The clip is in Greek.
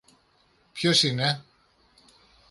Ποιος είναι;